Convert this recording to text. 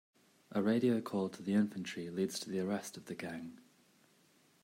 A radio call to the infantry leads to the arrest of the gang.